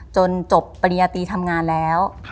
จนจบปริญญาตีทำงานแล้ว